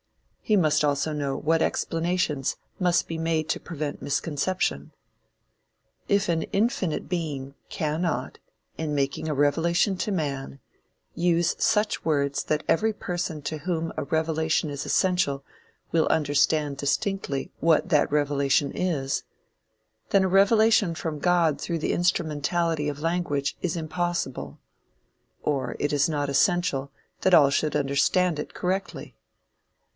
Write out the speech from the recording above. He must also know what explanations must be made to prevent misconception. If an infinite being cannot, in making a revelation to man, use such words that every person to whom a revelation is essential will understand distinctly what that revelation is, then a revelation from God through the instrumentality of language is impossible, or it is not essential that all should understand it correctly.